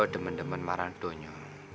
demen demen marang donyo